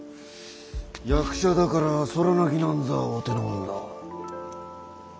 役者だから空泣きなんざお手のもんだ。